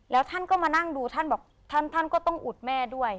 แล้วท่านก็มานั่งดูท่านบอกท่านท่านก็ต้องอุดแม่ด้วย